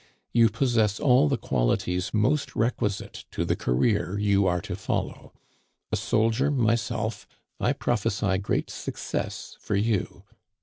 You possess all the qualities most requisite to the career you are to follow. A soldier myself, I prophesy great success for you.